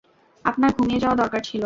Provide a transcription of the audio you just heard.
আপনার ঘুমিয়ে যাওয়া দরকার ছিল।